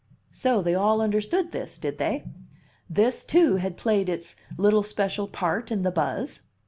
So they all understood this, did they? This, too, had played its little special part in the buzz?